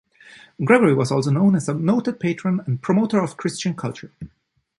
Gregory was also known as a noted patron and promoter of Christian culture.